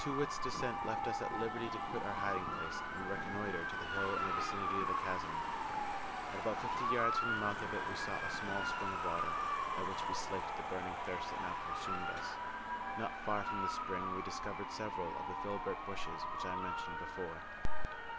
Too wit's descent left us at liberty to quit our hiding place and reconnoitre the hill in the vicinity of the chasm. At about fifty yards from the mouth of it we saw a small spring of water, at which we slaked the burning thirst that now consumed us. Not far from the spring we discovered several of the filbert bushes which I mentioned before.